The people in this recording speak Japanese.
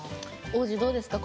王子どうですか？